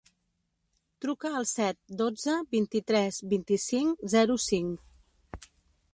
Truca al set, dotze, vint-i-tres, vint-i-cinc, zero, cinc.